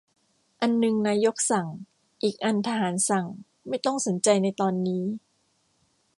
อันนึงนายกสั่ง อีกอันทหารสั่ง ไม่ต้องสนใจในตอนนี้